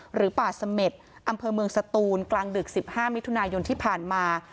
หรือป่าเสม็ดอำเภอเมืองสตูนกลางดึก๑๕มิถุนายนที่ผ่านมา